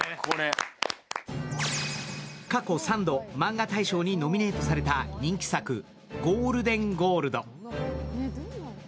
過去３度、マンガ大賞にノミネ−トされた人気作、「ゴールデンゴールド」。